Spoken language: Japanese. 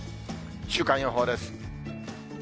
週間予報です。